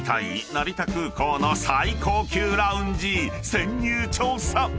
成田空港の最高級ラウンジ潜入調査］